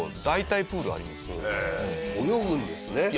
泳ぐんですね。